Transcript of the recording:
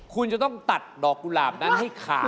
คุณจะต้องตัดดอกกุหลาบนั้นให้ขาด